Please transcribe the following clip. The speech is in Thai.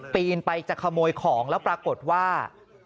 ปีนไปจะขโมยของแล้วปรากฏว่า